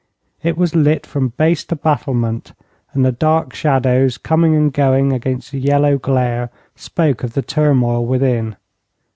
It was lit from base to battlement, and the dark shadows, coming and going against the yellow glare, spoke of the turmoil within.